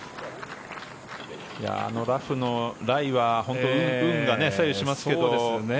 あのラフのライは本当に運が左右しますけど。